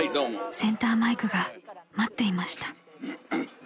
［センターマイクが待っていました］